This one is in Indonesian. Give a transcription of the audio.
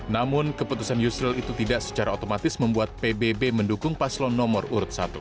namun keputusan yusril itu tidak secara otomatis membuat pbb mendukung paslon nomor urut satu